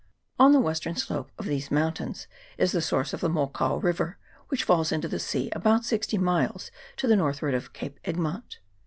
On the western slope of these mountains is the source of the Mokau river, which falls into the sea about sixty miles to the north ward of Cape Egmont.